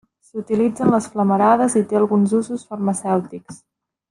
S'utilitza en les flamarades i té alguns usos farmacèutics.